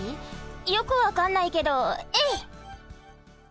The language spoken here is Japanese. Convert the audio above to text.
よくわかんないけどえいっ！